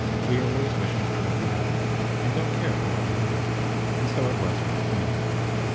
We are always wishing for what we haven't, and don't care for what we have, and so it was with the Queen.